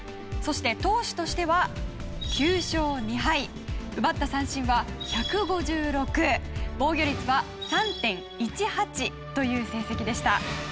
そして投手としては９勝２敗奪った三振は１５６防御率は３．１８という成績でした。